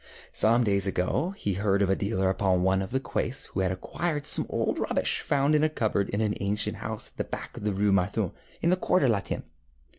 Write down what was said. Some days ago he heard of a dealer upon one of the Quais who had acquired some old rubbish found in a cupboard in an ancient house at the back of the Rue Mathurin, in the Quartier Latin.